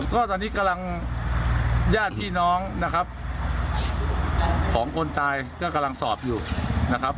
ก็ตอนนี้กำลังญาติพี่น้องนะครับของคนตายก็กำลังสอบอยู่นะครับ